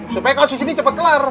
supaya kau disini cepet kelar